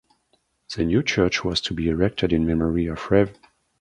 The new church was to be erected in memory of Rev.